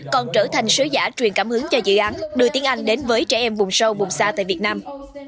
còn trở thành sứ giả truyền cảm hứng cho dự án đưa tiếng anh đến với trẻ em bùng sâu bùng xa tại việt nam